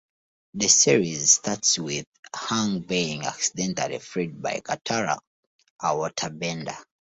The series starts with Aang being accidentally freed by Katara, a waterbender.